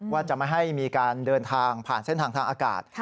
ว่าจะไม่ให้มีการเดินทางผ่านเส้นทางทางอากาศ